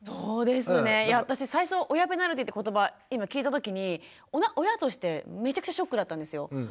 いや私最初親ペナルティーって言葉今聞いた時に親としてめちゃくちゃショックだったんですよ。